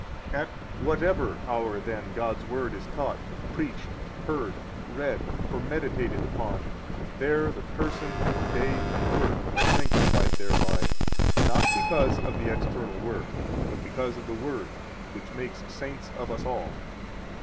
At whatever hour, then, God's Word is taught, preached, heard, read or meditated upon, there the person, day, and work are sanctified thereby, not because of the external work, but because of the Word, which makes saints of us all.